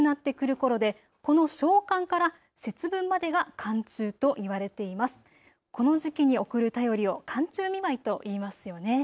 この時期に送る便りを寒中見舞いといいますよね。